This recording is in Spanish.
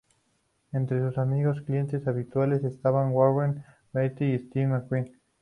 Entre sus amigos y clientes habituales estaban Warren Beatty y Steve McQueen.